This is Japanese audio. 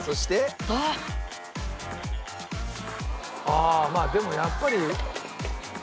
ああまあでもやっぱり。